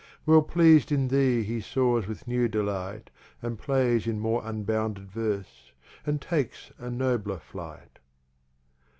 Well pleas'd in thee he Soars with new delight, And Plays in more unbounded Verse, and takes a nobler flight.